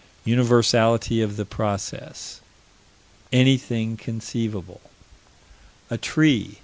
Universality of the process: Anything conceivable: A tree.